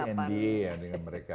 ya gini kita masih nda ya dengan mereka